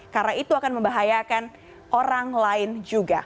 karena itu akan membahayakan orang lain juga